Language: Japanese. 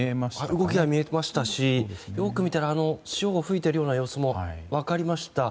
動きが見えましたしよく見たら潮を吹いた様子も分かりました。